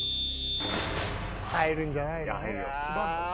入るんじゃないの？